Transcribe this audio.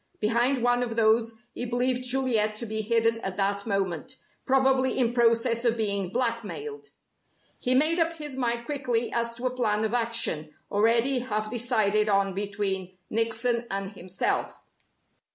Behind one of those he believed Juliet to be hidden at that moment, probably in process of being blackmailed. He made up his mind quickly as to a plan of action, already half decided on between Nickson and himself.